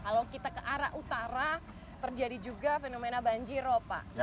kalau kita ke arah utara terjadi juga fenomena banjir ya pak